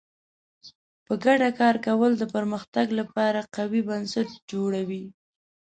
په ګډه کار کول د پرمختګ لپاره قوي بنسټ جوړوي.